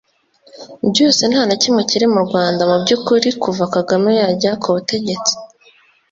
byose nta na kimwe kiri mu Rwanda mu by’ukuri kuva Kagame yajya ku butegetsi